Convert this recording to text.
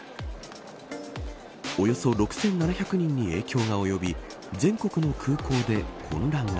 およそ６７００人に影響が及び全国の空港で混乱が。